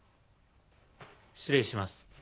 失礼します。